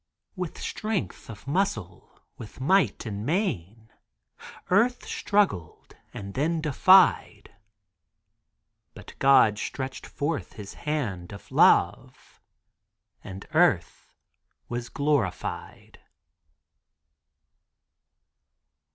With strength of muscle, with might and main, Earth struggled and then defied, But God stretched forth His hand of Love And Earth was glorified.